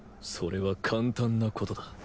それは簡単なことだ。